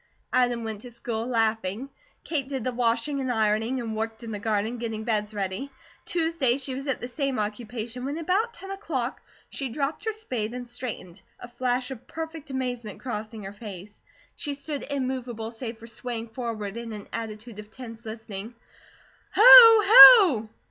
Adam went to school, laughing. Kate did the washing and ironing, and worked in the garden getting beds ready. Tuesday she was at the same occupation, when about ten o'clock she dropped her spade and straightened, a flash of perfect amazement crossing her face. She stood immovable save for swaying forward in an attitude of tense listening. "Hoo! hoo!"